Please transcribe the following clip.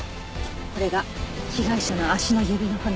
これが被害者の足の指の骨。